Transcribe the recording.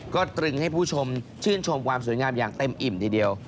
ก็ตรึงให้ผู้ชมชื่นชมความสวยงามอย่างเต็มอิ่มทีเดียว